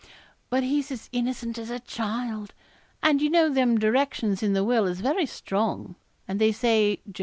But he's as innocent as a child and you know them directions in the will is very strong; and they say Jos.